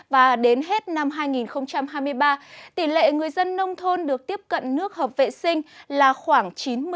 và đến hết năm hai nghìn hai mươi ba tỷ lệ người dân nông thôn được tiếp cận nước hợp vệ sinh là khoảng chín mươi